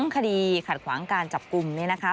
คดีขัดขวางการจับกลุ่ม